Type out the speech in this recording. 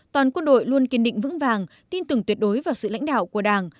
toàn quân đội luôn kiên định vững vàng tin tưởng tuyệt đối vào sự lãnh đạo của đảng